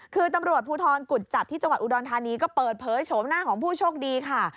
คือตำรวจภูทรกุจจับที่จังหวัดอุดรธานีก็เปิดเผยโฉมหน้าของผู้โชคดีค่ะ